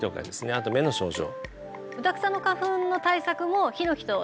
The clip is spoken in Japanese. あと目の症状